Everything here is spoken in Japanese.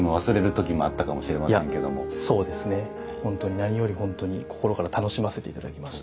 何より本当に心から楽しませて頂きました。